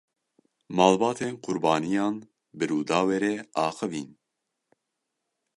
Malbatên qurbaniyan bi Rûdawê re axivîn.